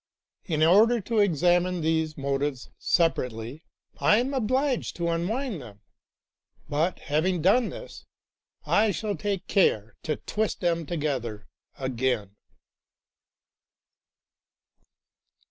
In order to examine these motives separately, I am obliged to unwind them, but, having done this, I shall take care to twist them together again.